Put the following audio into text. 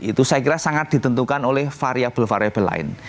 itu saya kira sangat ditentukan oleh variable variable lain